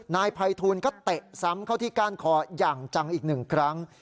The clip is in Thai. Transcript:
นายภัยทูลก็เตะซ้ำเข้าที่ก้านคออย่างจังอีกหนึ่งครั้ง